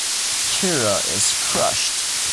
Kira is crushed.